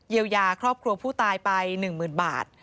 เยียวยาครอบครัวผู้ตายไป๑๐๐๐บาท